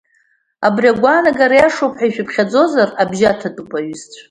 Абри агәаанагара ииашоуп ҳәа ишәыԥхьаӡозар, абжьы аҭатәуп, аҩызцәа!